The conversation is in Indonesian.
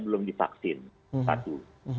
belum divaksin satu